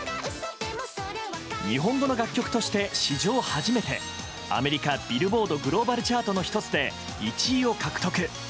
日本語の楽曲として史上初めてアメリカ、ビルボードグローバルチャートの１つで１位を獲得。